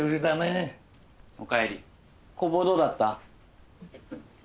工房どうだった？